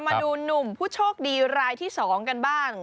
มาดูหนุ่มผู้โชคดีรายที่๒กันบ้าง